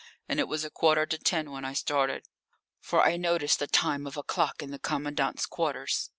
And it was a quarter to ten when I started. For I noticed the time of a clock in the commandant's quarters.